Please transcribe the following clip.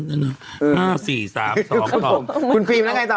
คุณฟิล์มแล้วไงต่อ